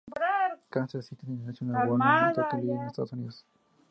Kansas City de la National Women's Soccer League de Estados Unidos.